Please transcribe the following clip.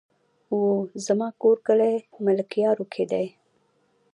وو زما کور کلي ملكيارو کې دی